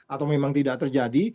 atau memang tidak terjadi